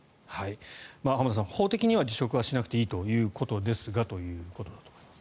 浜田さん、法的には辞職しなくていいということですがということだと思います。